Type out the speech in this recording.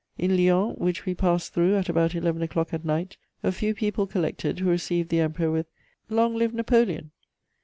In Lyons, which we passed through at about eleven o'clock at night, a few people collected who received the Emperor with 'Long live Napoleon!'